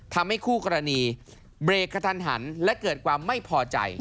ทำให้คู่กรณีเบรกกระทันหันและเกิดความไม่พอใจ